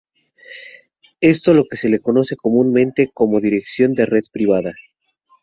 Es lo que se conoce comúnmente como dirección de red privada.